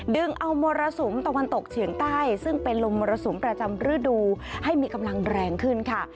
ดึงเอามรสุมตะวันตกเฉียงใต้ซึ่งเป็นลมมรสุมประจำฤดูให้มีกำลังแรงขึ้นค่ะ